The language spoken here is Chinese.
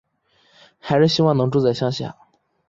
还是希望能住在乡下